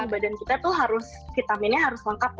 badan kita tuh harus vitaminnya harus lengkap